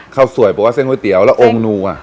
ข้าวสวยบอกว่าเส้นก๋วยเตี๋ยวแล้วองค์นูอ่ะ